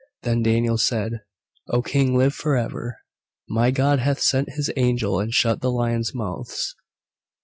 Then Daniel said, "O King, live for ever. My God hath sent His angel and shut the lions' mouths."